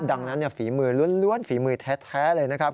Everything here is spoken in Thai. ดังนั้นฝีมือล้วนฝีมือแท้เลยนะครับ